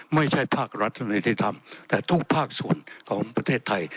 ไม่ใช่ภาครัฐนาธิธรรมแต่ทุกภาคส่วนของประเทศไทย